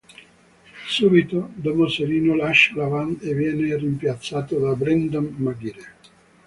Subito dopo Serino lascia la band e viene rimpiazzato da Brendan Maguire.